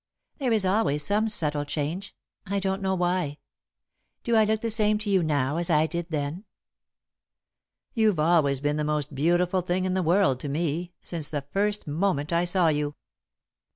There is always some subtle change I don't know why. Do I look the same to you now as I did then?" "You've always been the most beautiful thing in the world to me, since the first moment I saw you."